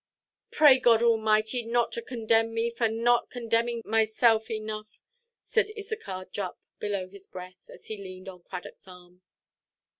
"Pray God Almighty not to [condemn] me, for not [condemning] myself enough," said Issachar Jupp, below his breath, as he leaned on Cradockʼs arm.